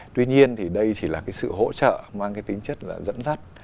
tuy nhiên thì đây chỉ là sự hỗ trợ mang tính chất dẫn dắt